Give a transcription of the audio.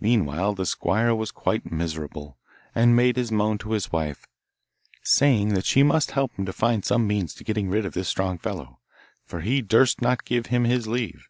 Meanwhile the squire was quite miserable, and made his moan to his wife, saying that she must help him to find some means to getting rid of this strong fellow, for he durst not give him his leave.